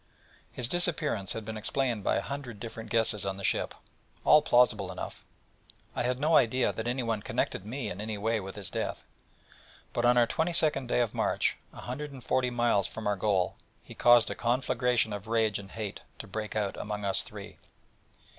His disappearance had been explained by a hundred different guesses on the ship all plausible enough. I had no idea that anyone connected me in any way with his death. But on our twenty second day of march, 140 miles from our goal, he caused a conflagration of rage and hate to break out among us three.